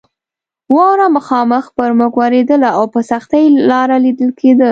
واوره مخامخ پر موږ ورېدله او په سختۍ لار لیدل کېده.